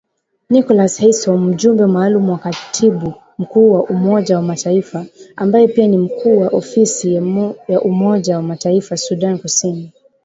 Nicholas Haysom mjumbe maalum wa katibu mkuu wa Umoja wa Mataifa, ambae pia ni mkuu wa ofisi ya Umoja wa Mataifa Sudan Kusini